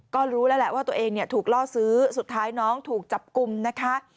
ก็รู้แล้วแหละว่าตัวเองเนี่ยถูกล่อซื้อสุดท้ายน้องถูกจับกลุ่มนะคะ